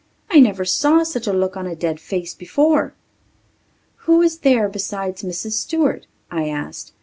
I never saw such a look on a dead face before." "Who is here besides Mrs. Stewart?" I asked.